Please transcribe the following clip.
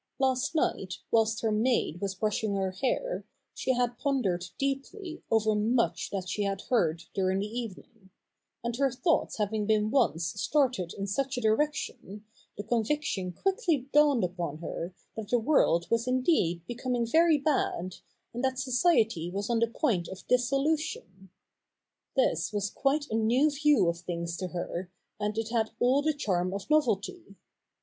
Last night, whilst her maid was brushing her hair, she had pondered deeply over much that she had heard during the evening ; and her thoughts having been once started in such a direction, the con viction quickly dawned upon her that the world was indeed becoming very bad, and that society was on the point of dissolution. This was quite a new view" of things to her, and it had all the charm of novelty.